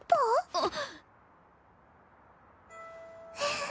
あっ。